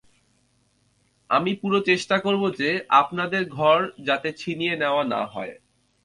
আমি পুরো চেষ্টা করবো যে আপনাদের ঘর যাতে ছিনিয়ে নেওয়া না হয়।